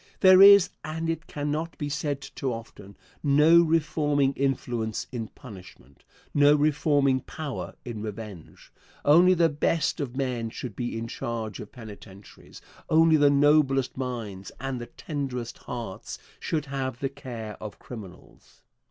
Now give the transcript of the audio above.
There is, and it cannot be said too often, no reforming influence in punishment; no reforming power in revenge. Only the best of men should be in charge of penitentiaries; only the noblest minds and the tenderest hearts should have the care of criminals.